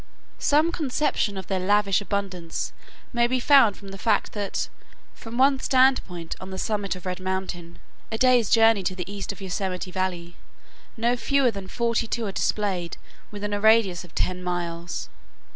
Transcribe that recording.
Some conception of their lavish abundance may be made from the fact that, from one standpoint on the summit of Red Mountain, a day's journey to the east of Yosemite Valley, no fewer than forty two are displayed within a radius of ten miles.